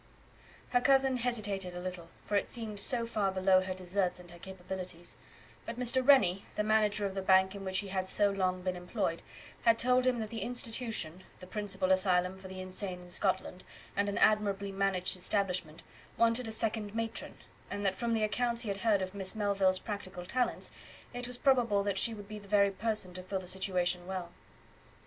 Her cousin hesitated a little, for it seemed so far below her deserts and her capabilities; but Mr. Rennie, the manager of the bank in which he had so long been employed, had told him that the Institution, the principal asylum for the insane in Scotland, and an admirably managed establishment, wanted a second matron; and that from the accounts he had heard of Miss Melville's practical talents, it was probable that she would be the very person to fill the situation well.